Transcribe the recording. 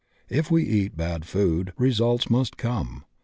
If we eat bad food bad results must come.